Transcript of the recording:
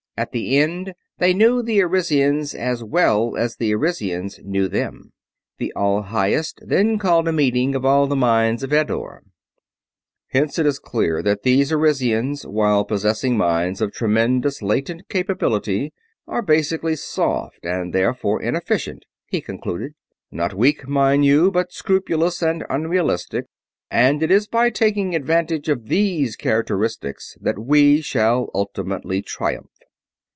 At the end, they knew the Arisians as well as the Arisians knew them. The All Highest then called a meeting of all the minds of Eddore. "... hence it is clear that these Arisians, while possessing minds of tremendous latent capability, are basically soft, and therefore inefficient," he concluded. "Not weak, mind you, but scrupulous and unrealistic; and it is by taking advantage of these characteristics that we shall ultimately triumph."